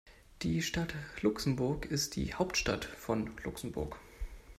Die Stadt Luxemburg ist die Hauptstadt von Luxemburg.